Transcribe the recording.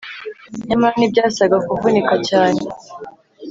nyamara ntibyasaga kuvunika cyane